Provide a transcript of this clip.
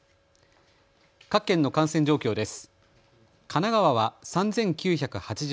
各県の感染状況です。